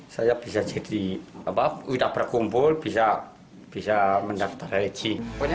saya bisa jadi sudah berkumpul bisa mendaftar haji